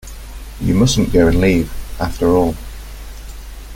You mustn’t go and leave, after all.